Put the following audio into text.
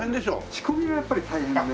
仕込みがやっぱり大変で。